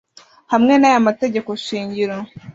hamwe n aya mategeko shingiro